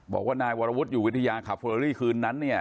บอกว่านายวรวุฒิอยู่วิทยาขับเฟอรี่คืนนั้นเนี่ย